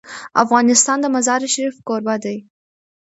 افغانستان د مزارشریف کوربه دی.